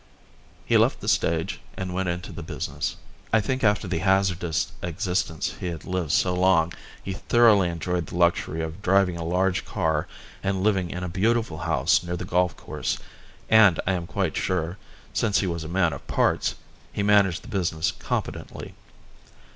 He left the stage and went into the business. I think after the hazardous existence he had lived so long, he thoroughly enjoyed the luxury of driving a large car and living in a beautiful house near the golf course, and I am quite sure, since he was a man of parts, he managed the business competently.